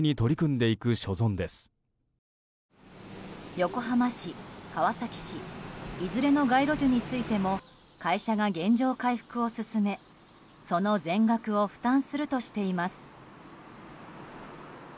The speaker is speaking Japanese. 横浜市、川崎市いずれの街路樹についても会社が原状回復を進めその全額を負担するとしています。